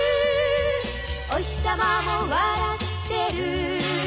「おひさまも笑ってる」